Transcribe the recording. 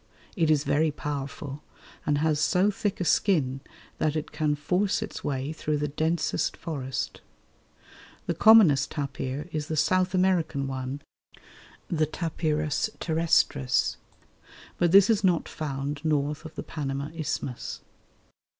It is very powerful, and has so thick a skin that it can force its way through the densest forest. The commonest tapir is the South American one, the T. terrestris, but this is not found north of the Panama Isthmus.